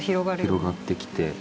広がってきて。